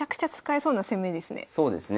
そうですね。